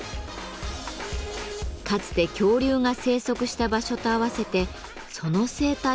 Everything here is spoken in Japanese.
かつて恐竜が生息した場所と合わせてその生態を学ぶこともできます。